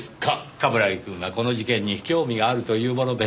冠城くんがこの事件に興味があるというもので。